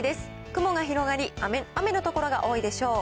雲が広がり、雨の所が多いでしょう。